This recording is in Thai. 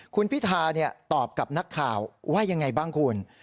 คุณพิธาตอบกับนักข่าวว่ายังไงบ้างคุณ